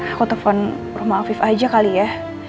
aku telepon rumah afif aja kali ya